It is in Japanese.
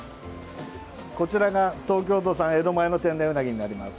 こちらが、東京都産江戸前の天然うなぎになります。